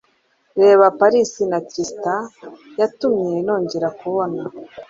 Reba Paris na Tristan… Yatumye nongera kubona